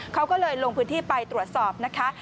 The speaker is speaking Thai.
เขาก็เลยลงพื้นที่ไปตรวจสอบนะคะ